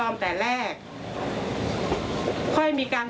แม่ชีค่ะ